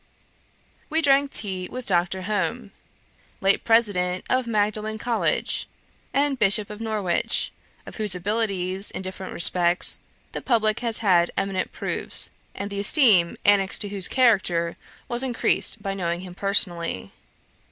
We drank tea with Dr. Home, late President of Magdalen College, and Bishop of Norwich, of whose abilities, in different respects, the publick has had eminent proofs, and the esteem annexed to whose character was increased by knowing him personally.